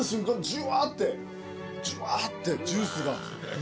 ジュワーってジュワーってジュースが。